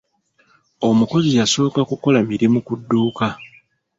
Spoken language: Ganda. Omukozi yasooka kukola mirimu ku dduuka.